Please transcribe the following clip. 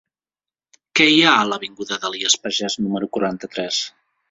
Què hi ha a l'avinguda d'Elies Pagès número quaranta-tres?